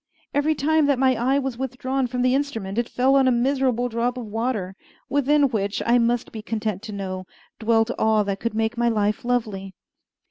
Every time that my eye was withdrawn from the instrument it fell on a miserable drop of water, within which, I must be content to know, dwelt all that could make my life lovely.